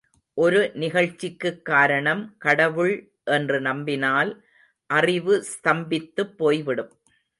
ஒரு நிகழ்ச்சிக்குக் காரணம் கடவுள் என்று நம்பினால் அறிவு ஸ்தம்பித்துப் போய்விடும்.